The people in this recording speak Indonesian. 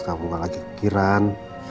kamu nggak lagi kekiran